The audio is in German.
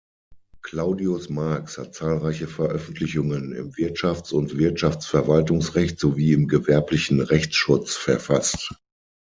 Claudius Marx hat zahlreiche Veröffentlichungen im Wirtschafts- und Wirtschaftsverwaltungsrecht sowie im gewerblichen Rechtsschutz verfasst.